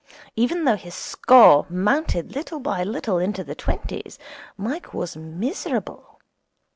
Even though his score mounted little by little into the twenties, Mike was miserable.